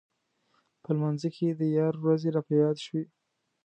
په لمانځه کې د یار ورځې راپه یاد شوې.